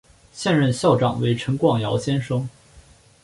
现任校长为陈广尧先生。